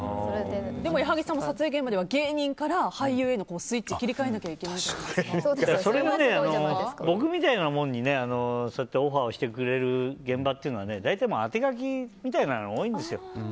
でも、矢作さんも撮影現場では芸人から俳優にスイッチを切り替えなきゃそれも僕みたいなもんにオファーしてくれる現場というのは大体、あて書きみたいなのが多いんですよ。